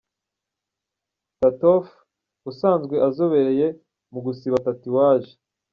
Tattoff, usanzwe uzobereye mu gusiba tatuwaji.